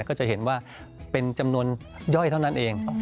ก็จะเห็นว่าเป็นจำนวนย่อยเท่านั้นเอง